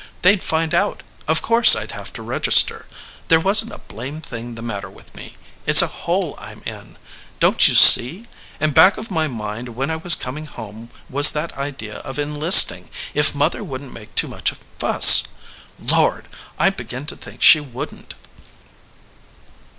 They d find out. Of course I d have to register. There wasn t a blamed thing the matter with me it s a hole I m in. Don t you see ? And back of my mind when I was coming home was that idea of enlisting, if mother wouldn t make too much fuss. Lord! I begin to think she wouldn t!"